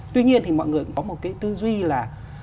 tuy nhiên thì mọi người cũng có một cái tư duy là